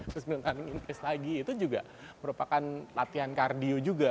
terus kemudian running in place lagi itu juga merupakan latihan kardio juga